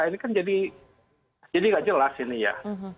ini kan jadi nggak jelas ini ya